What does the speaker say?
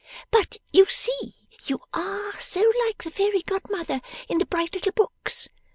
But, you see, you ARE so like the fairy godmother in the bright little books!